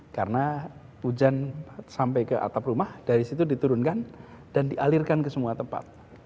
karena hujan sampai ke atap rumah dari situ diturunkan dan dialirkan ke semua tempat